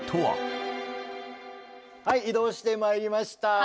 はい移動してまいりました。